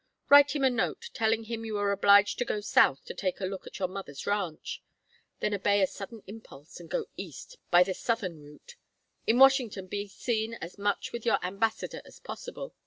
Write him a note, telling him you are obliged to go south to take a look at your mother's ranch. Then obey a sudden impulse and go East by the southern route. In Washington be seen as much with your ambassador as possible.